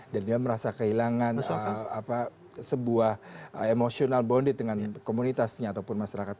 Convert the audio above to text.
dan dia merasa kehilangan sebuah emotional bond dengan komunitasnya ataupun masyarakat